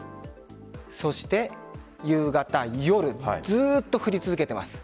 そして夕方、夜ずっと降り続けています。